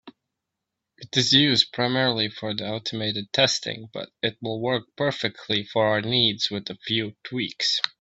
It is used primarily for automated testing, but it will work perfectly for our needs, with a few tweaks.